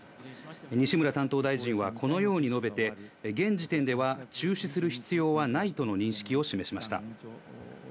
西村担当大臣はこのように述べて、現時点では中止する必要はないとの認識を示しました。